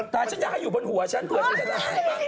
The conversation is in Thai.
แต่ฉันอยากให้อยู่บนหัวฉันหัวฉันจะล้าย